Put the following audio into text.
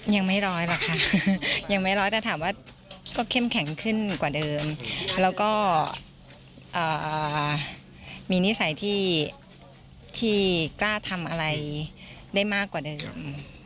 ยังไม่ร้อยหรอกค่ะยังไม่ร้อยแต่ถามว่าก็เข้มแข็งขึ้นกว่าเดิมแล้วก็มีนิสัยที่กล้าทำอะไรได้มากกว่าเดิม